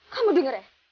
kamu denger ya